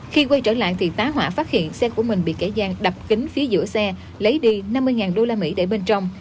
khi quay trở lại tá hỏa phát hiện xe của mình bị kẻ gian đập cửa kính phía giữa xe lấy đi năm mươi đô la mỹ để bên trong